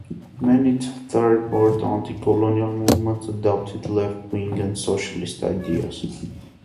Many Third World anti-colonial movements adopted left-wing and socialist ideas.